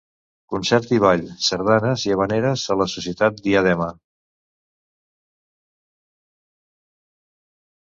Concert i ball, sardanes i havaneres a la Societat Diadema.